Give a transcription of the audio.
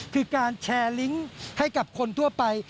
คือการแชร์ลิงก์ให้กับคนทั่วไป